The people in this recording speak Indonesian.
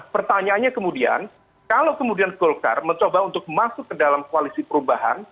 pertanyaannya kemudian kalau kemudian golkar mencoba untuk masuk ke dalam koalisi perubahan